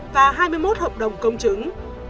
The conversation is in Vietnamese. và hai mươi một hợp đồng công chứng